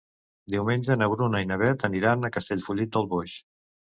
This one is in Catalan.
Diumenge na Bruna i na Beth aniran a Castellfollit del Boix.